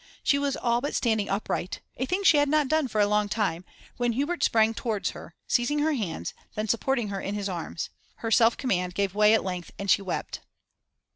She was all but standing upright a thing she had not done for a long time when Hubert sprang towards her, seizing her hands, then supporting her in his arms. Her self command gave way at length, and she wept.